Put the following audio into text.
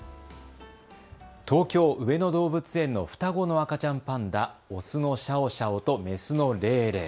東京上野動物園の双子の赤ちゃんパンダ、雄のシャオシャオと雌のレイレイ。